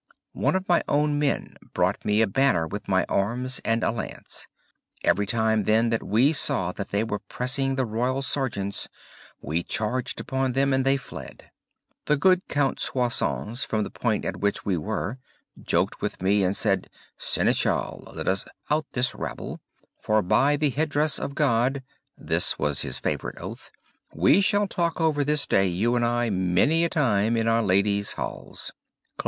One of my own men brought me a banner with my arms and a lance. Every time then that we saw that they were pressing the Royal Sergeants we charged upon them and they fled. The good Count Soissons, from the point at which we were, joked with me and said 'Senechal, let us hoot out this rabble, for by the headdress of God (this was his favorite oath) we shall talk over this day you and I many a time in our ladies' halls.'"